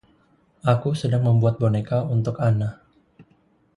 Aku sedang membuat boneka untuk Anna.